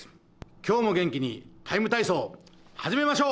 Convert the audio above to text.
今日も元気に「ＴＩＭＥ，体操」始めましょう！